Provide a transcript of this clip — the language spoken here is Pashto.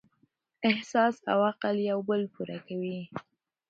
احساس او عقل یو بل پوره کوي.